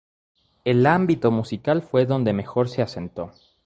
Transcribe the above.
El ámbito musical fue donde mejor se asentó.